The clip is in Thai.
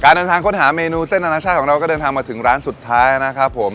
เดินทางค้นหาเมนูเส้นอนาชาติของเราก็เดินทางมาถึงร้านสุดท้ายนะครับผม